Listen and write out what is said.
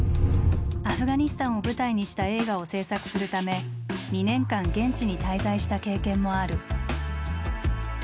アフガニスタンを舞台にした映画を製作するため２年間現地に滞在した経験もある。